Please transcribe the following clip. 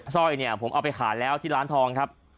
ร้อยเนี่ยผมเอาไปขายแล้วที่ร้านทองครับ